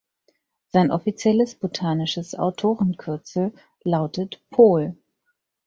Sein offizielles botanisches Autorenkürzel lautet „Pohl“.